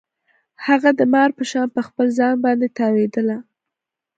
هغه د مار په شان په خپل ځان باندې تاوېدله.